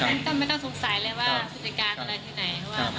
ชั้นต้นไม่ต้องสงสัยเลยว่ากิจการอะไรที่ไหน